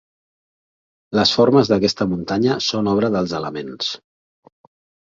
Les formes d'aquesta muntanya són obra dels elements.